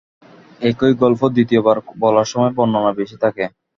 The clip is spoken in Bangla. একই গল্প দ্বিতীয় বার বলার সময় বর্ণনা বেশি থাকে।